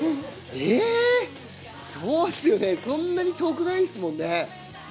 えー、そうですよね、そんなに遠くないですもんね。